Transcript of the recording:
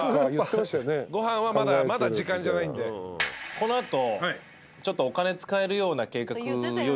この後。